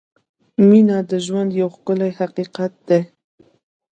• مینه د ژوند یو ښکلی حقیقت دی.